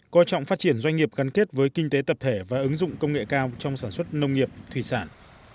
coi trọng phát triển doanh nghiệp gắn kết với kinh tế tập thể và ứng dụng công nghệ cao trong sản xuất nông nghiệp thủy sản